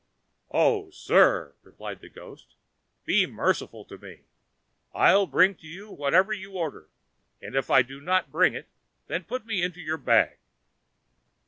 "O, sir," replied the ghost, "be merciful to me; I'll bring to you whatever you order; and if I do not bring it, then put me into your bag."